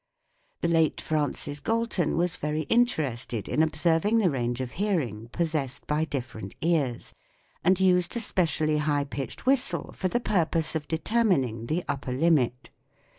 The late Francis Galton was very interested in observing the range of hearing possessed by different ears, and used a specially SOUND IN MUSIC 39 high pitched whistle for the purpose of determining the upper limit.